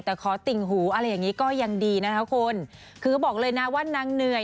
แต่ขอติ่งหูอะไรอย่างงี้ก็ยังดีนะคะคุณคือบอกเลยนะว่านางเหนื่อย